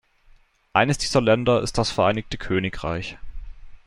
Eines dieser Länder ist das Vereinigte Königreich.